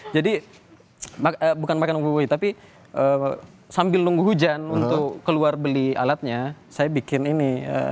jadi bukan makan bubuk kopi tapi sambil nunggu hujan untuk keluar beli alatnya saya bikin ini